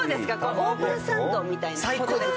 オープンサンドみたいな。